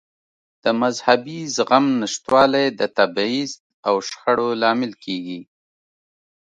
د مذهبي زغم نشتوالی د تبعیض او شخړو لامل کېږي.